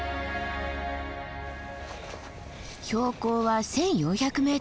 標高は１，４００ｍ。